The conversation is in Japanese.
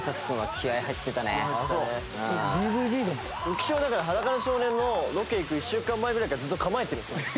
浮所はだから『裸の少年』のロケ行く１週間前ぐらいからずっと構えてるんですよ。